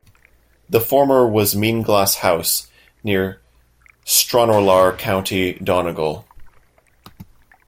The former was Meenglass House, near Stranorlar, County Donegal.